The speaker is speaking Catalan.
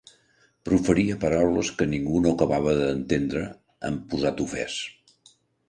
Proferia paraules que ningú no acabava d'entendre, amb posat ofès.